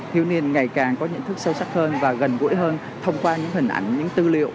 thiếu niên ngày càng có nhận thức sâu sắc hơn và gần gũi hơn thông qua những hình ảnh những tư liệu